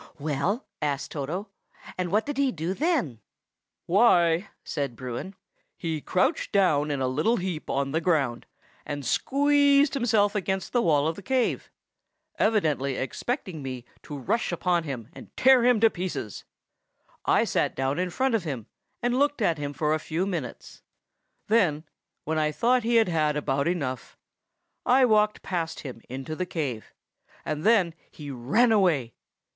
"Well?" asked Toto, "and what did he do then?" "Why," said Bruin, "he crouched down in a little heap on the ground, and squeezed himself against the wall of the cave, evidently expecting me to rush upon him and tear him to pieces; I sat down in front of him and looked at him for a few minutes; then, when I thought he had had about enough, I walked past him into the cave, and then he ran away.